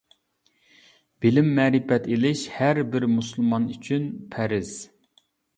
بىلىم-مەرىپەت ئېلىش ھەر بىر مۇسۇلمان ئۈچۈن پەرز.